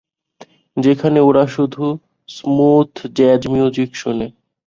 যেখানে ওরা শুধু স্মুথ জ্যাজ মিউজিক শোনে।